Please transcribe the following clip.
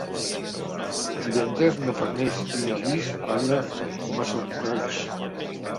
Divendres na Farners i na Lis van a Massalcoreig.